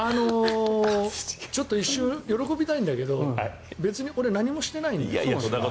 ちょっと一瞬喜びたいんだけど別に俺、何もしてない。